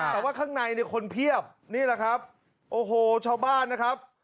แต่ว่าข้างในเนี่ยคนเพียบนี่แหละครับโอ้โหชาวบ้านนะครับ